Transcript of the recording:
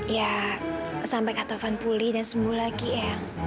ya sampai kak tovan pulih dan sembuh lagi ya